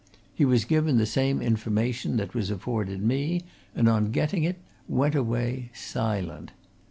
He was given the same information that was afforded me, and on getting it went away, silent.